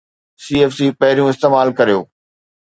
CFC پهريون استعمال ڪريو